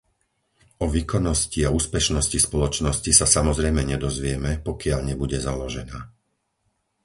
O výkonnosti a úspešnosti spoločnosti sa samozrejme nedozvieme, pokiaľ nebude založená.